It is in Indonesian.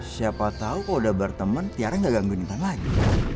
siapa tahu kalau udah berteman tiara gak gangguin intan lagi